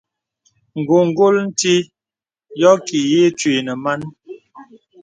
Ǹgùngùl nti yɔ ki yə̀ ǐ twi nə̀ man.